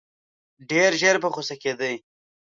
ډېر ژر په غوسه کېدی.